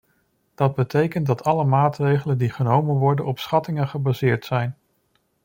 Dat betekent dat alle maatregelen die genomen worden op schattingen gebaseerd zijn.